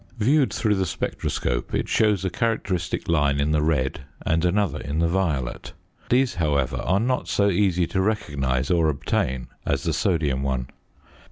Viewed through the spectroscope, it shows a characteristic line in the red and another in the violet. These, however, are not so easy to recognise or obtain as the sodium one.